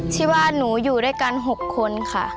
ที่บ้านหนูอยู่ด้วยกัน๖คนค่ะ